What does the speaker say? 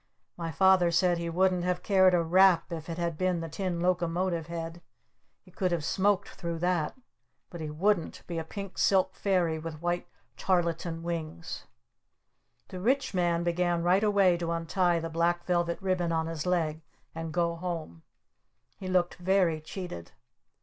My Father said he wouldn't have cared a rap if it had been the Tin Locomotive Head! He could have smoked through that! But he wouldn't be a Pink Silk Fairy with White Tarlatan Wings! The Rich Man began right away to untie the black velvet ribbon on his leg, and go home! He looked very cheated!